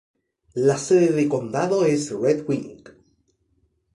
La sede de condado es Red Wing.